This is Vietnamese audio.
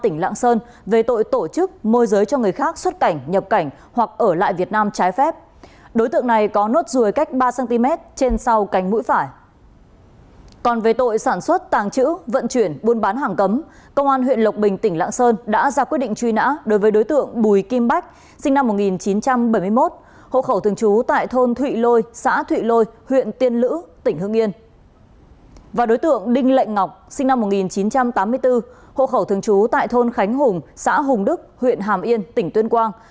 năm một nghìn chín trăm tám mươi bốn hộ khẩu thường trú tại thôn khánh hùng xã hùng đức huyện hàm yên tỉnh tuyên quang